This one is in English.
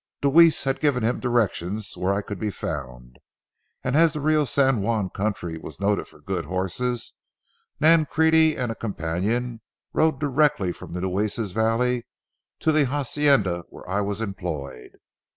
Deweese had given him directions where I could be found, and as the Rio San Juan country was noted for good horses, Nancrede and a companion rode directly from the Nueces valley to the hacienda where I was employed.